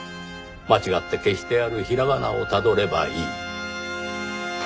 間違って消してある平仮名をたどればいい。